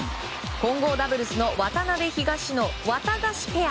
混合ダブルスの渡辺、東野ワタガシペア。